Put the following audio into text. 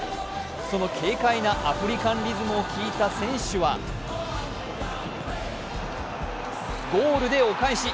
その軽快なアフリカンリズムを聴いた選手はゴールでお返し。